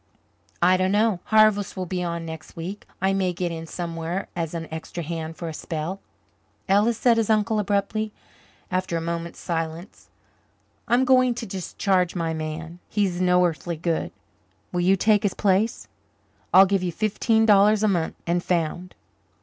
"I don't know. Harvest will be on next week. I may get in somewhere as an extra hand for a spell." "Ellis," said his uncle abruptly, after a moment's silence, "I'm going to discharge my man. He's no earthly good. Will you take his place? I'll give you fifteen dollars a month and found."